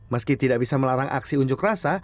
meski tidak bisa melarang aksi unjuk rasa